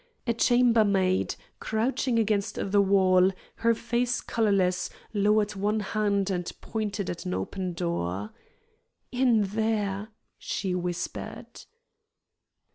A chambermaid, crouching against the wall, her face colorless, lowered one hand, and pointed at an open door. "In there," she whispered.